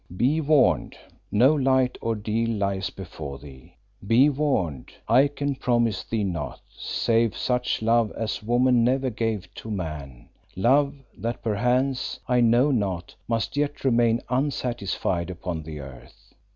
"Be warned. No light ordeal lies before thee. Be warned. I can promise thee naught save such love as woman never gave to man, love that perchance I know not must yet remain unsatisfied upon the earth."